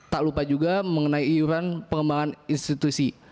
tak lupa juga mengenai iuran pengembangan institusi